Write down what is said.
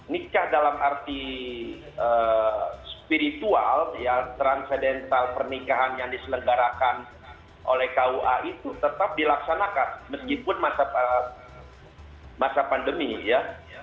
nikah dalam arti spiritual ya transidental pernikahan yang diselenggarakan oleh kua itu tetap dilaksanakan meskipun masa pandemi ya